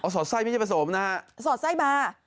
สอดไส้ไม่ใช่ผสมนะฮะสอดไส้มา